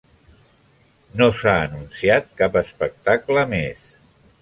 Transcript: No s'ha anunciat cap espectacle més.